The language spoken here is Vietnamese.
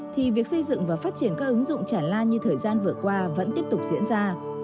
thì việc xây dựng và phát triển các ứng dụng chản lan như thời gian vừa qua vẫn tiếp tục diễn ra